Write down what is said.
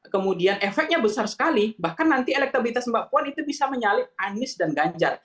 kemudian efeknya besar sekali bahkan nanti elektabilitas mbak puan itu bisa menyalip anies dan ganjar